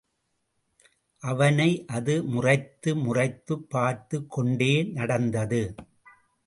அவனை அது முறைத்து முறைத்துப் பார்த்துக் கொண்டே நடந்தது.